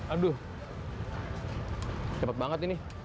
aduh cepat banget ini